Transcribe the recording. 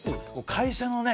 会社のね